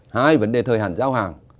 hai vấn đề thời hạn giao hàng